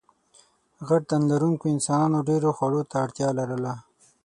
غټ تنلرونکو انسانانو ډېرو خوړو ته اړتیا لرله.